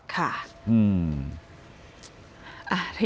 ค่ะอืม